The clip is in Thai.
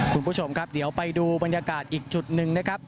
คุณผู้ชมครับเดี๋ยวไปดูบรรยากาศอีกจุดหนึ่งนะครับ